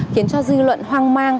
khiến cho dư luận hoang mang